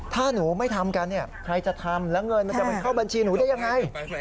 ถ้าหนูไม่ทำกันเนี่ยใครจะทำแล้วเงินมันจะมันเข้าบัญชีหนูได้ยังไง